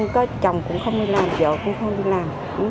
có chồng cũng không đi làm vợ cũng không đi làm